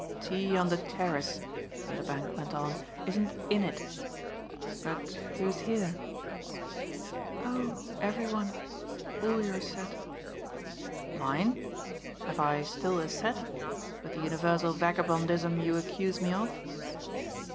Tea on the terrace," Vanderbank went on, "isn't 'in' it. But who's here?" "Oh every one. All your set." "Mine? Have I still a set with the universal vagabondism you accuse me of?"